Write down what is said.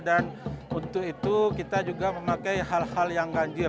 dan untuk itu kita juga memakai hal hal yang ganjil